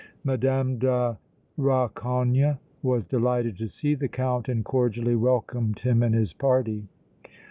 Madame de Rancogne was delighted to see the Count and cordially welcomed him and his party.